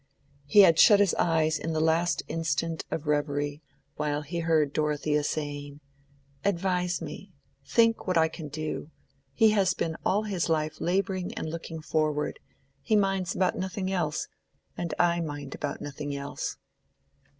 He had shut his eyes in the last instant of reverie while he heard Dorothea saying, "Advise me—think what I can do—he has been all his life laboring and looking forward. He minds about nothing else—and I mind about nothing else."